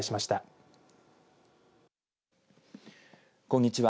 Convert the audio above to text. こんにちは。